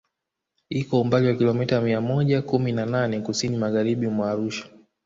Iko umbali wa kilomita mia moja kumi na nane Kusini Magharibi mwa Arusha